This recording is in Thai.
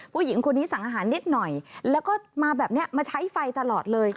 ผู้หญิงคนนี้สั่งอาหารนิดหน่อยแล้วก็มาแบบนี้มาใช้ไฟตลอดเลย